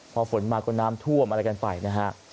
พอฝนมาก็น้ำท่วมอะไรกันไปนะฮะ